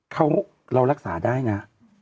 เราก็มีความหวังอะ